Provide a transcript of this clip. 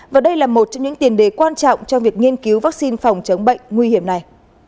và đây là một trong những tiền đề quan trọng cho việc nghiên cứu vaccine phòng chống bệnh nguy hiểm này